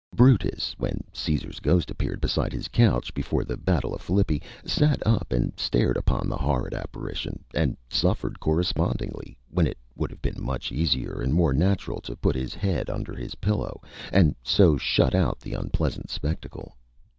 Brutus, when Caesar's ghost appeared beside his couch, before the battle of Philippi, sat up and stared upon the horrid apparition, and suffered correspondingly, when it would have been much easier and more natural to put his head under his pillow, and so shut out the unpleasant spectacle.